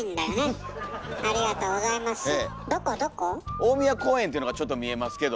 「大宮公園」っていうのがちょっと見えますけど。